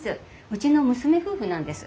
うちの娘夫婦なんです。